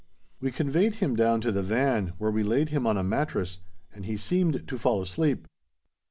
"We conveyed him down to the van, where we laid him on a mattress, and he seemed to fall asleep.